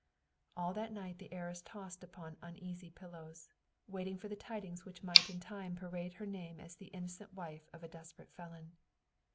All that night the heiress tossed upon uneasy pillows, waiting for the tidings which might in time parade her name as the innocent wife of a desperate felon.